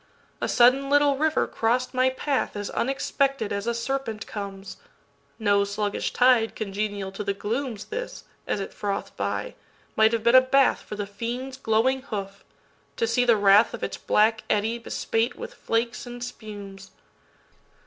A sudden little river cross'd my pathAs unexpected as a serpent comes.No sluggish tide congenial to the glooms; This, as it froth'd by, might have been a bathFor the fiend's glowing hoof—to see the wrathOf its black eddy bespate with flakes and spumes.